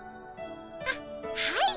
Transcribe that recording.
あっはい。